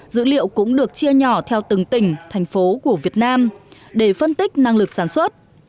dữ liệu cũng được chia nhỏ theo từng tỉnh thành phố của việt nam để phân tích năng lực sản xuất